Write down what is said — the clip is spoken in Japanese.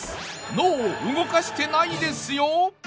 脳を動かしてないですよ。